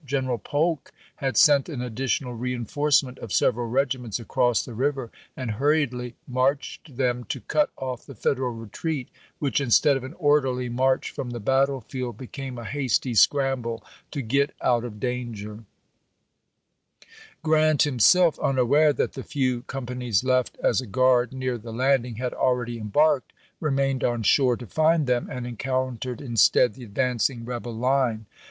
General Polk had sent an additional reenforcement of several regiments across the river and hurriedly marched them to cut off the Federal retreat, which instead of an orderly march from the battlefield became a hasty scramble to get out of danger. Vol. v.— 8 114 ABRAHAM LINCOLN CHAP. VII. Grant himself, unaware that the few companies left as a guard near the landing had already embarked, remained on shore to find them, and encountered instead the advancing rebel line.